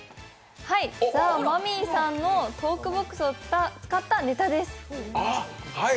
ザ・マミィさんのトークボックスを使ったネタです。